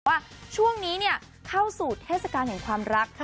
ว่าช่วงนี้เข้าสู่เทศกาลแห่งความรัก